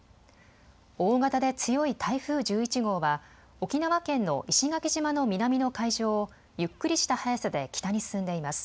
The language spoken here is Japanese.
大型で強い台風１１号は沖縄県の石垣島の南の海上をゆっくりした速さで北に進んでいます。